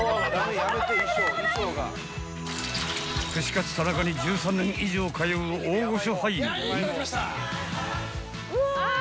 串カツ田中に１３年以上通う大御所俳優。